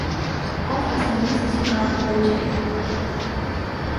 اور آسانی سے شکار ہو ج ہیں